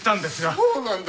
そうなんだ。